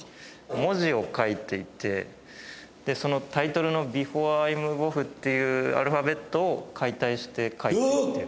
文字を書いていてでそのタイトルの「ＢｅｆｏｒｅＩＭｏｖｅＯｆｆ」っていうアルファベットを解体して書いてる。